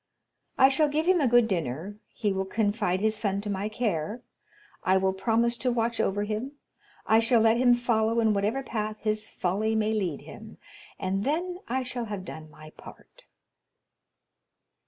I shall give him a good dinner, he will confide his son to my care, I will promise to watch over him, I shall let him follow in whatever path his folly may lead him, and then I shall have done my part."